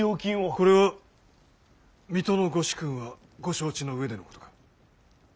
これは水戸のご主君はご承知の上でのことか。